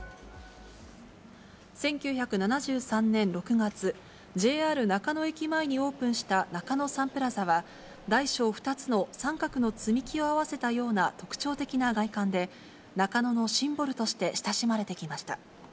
１９７３年６月、ＪＲ中野駅前にオープンした中野サンプラザは、大小２つの三角の積み木を合わせたような特徴的な外観で、中野のシンボルとして親しまれてきました。